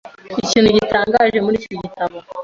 Ikintu gitangaje muri iki gitabo